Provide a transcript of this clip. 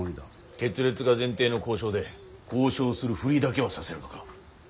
決裂が前提の交渉で交渉するふりだけはさせるのか。